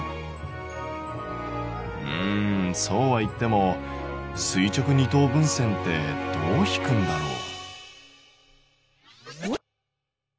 うんそうはいっても垂直二等分線ってどう引くんだろう？